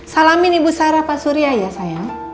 salamin ibu sarah pasuria ya sayang